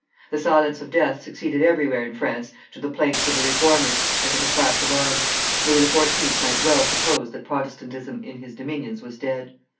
The silence of death succeeded everywhere in France to the plaints of the Reformers and to the crash of arms; Louis XIV. might well suppose that Protestantism in his dominions was dead.